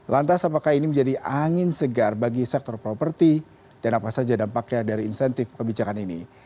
lantas apakah ini menjadi angin segar bagi sektor properti dan apa saja dampaknya dari insentif kebijakan ini